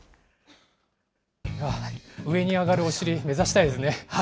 上に上がるお尻、目指したいですね。